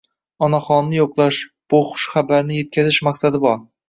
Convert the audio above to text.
Onaxonni yoʻqlash, bu xushxabarni yetkazish maqsadi bor